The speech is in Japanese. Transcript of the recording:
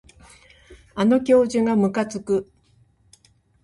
あの教授がむかつく